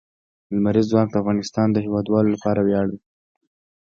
لمریز ځواک د افغانستان د هیوادوالو لپاره ویاړ دی.